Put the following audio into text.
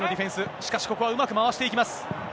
しかしここはうまく回していきます。